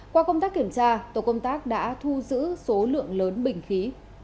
qua công tác kiểm tra tổ công tác đã thu giữ số lượng lớn bình khí